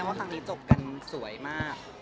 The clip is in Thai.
คือทางนี้จบกันสวยมาก